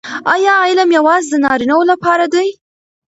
آیا علم یوازې د نارینه وو لپاره دی؟